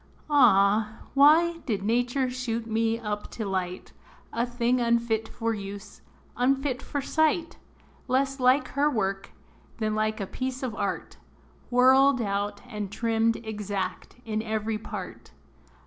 Ah! why did nature shoot me up to light, A thing unfit for use unfit for sight; Less like her work, than like a piece of art, Whirled out and trimmed exact in every part?